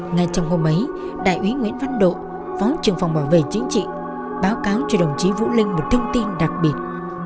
ngay trong hôm ấy đại úy nguyễn văn độ phó trưởng phòng bảo vệ chính trị báo cáo cho đồng chí vũ linh một thông tin đặc biệt